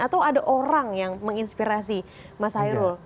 atau ada orang yang menginspirasi mas hairul